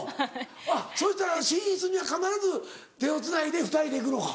あっそうしたら寝室には必ず手をつないで２人で行くのか。